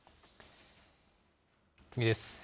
次です。